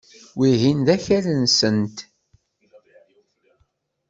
Wihin d akal-nsent.